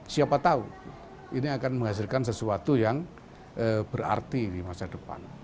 siapa tahu ini akan menghasilkan sesuatu yang berarti di masa depan